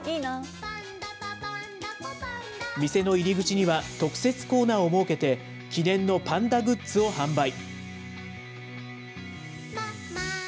店の入り口には特設コーナーを設けて、記念のパンダグッズを販売。